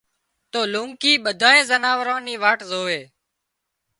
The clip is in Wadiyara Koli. تو لونڪِي ٻڌانئين زناوارن نو واٽ زوئي